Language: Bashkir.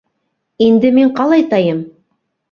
Инде мин ҡалайтайым?!